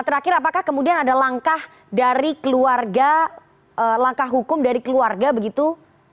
terakhir apakah kemudian ada langkah dari keluarga langkah hukum dari keluarga begitu